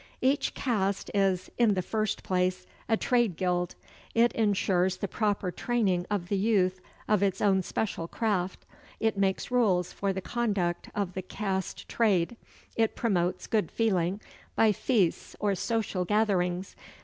Each caste is, in the first place, a trade guild. It insures the proper training of the youth of its own special craft; it makes rules for the conduct of the caste trade; it promotes good feeling by feasts or social gatherings.